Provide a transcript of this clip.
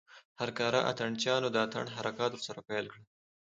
هر کاره اتڼ چيانو د اتڼ حرکات ورسره پيل کړل.